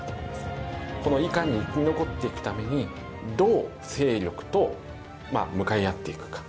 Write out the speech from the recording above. このいかに生き残っていくためにどう勢力と向かい合っていくか。